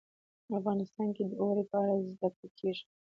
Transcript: افغانستان کې د اوړي په اړه زده کړه کېږي.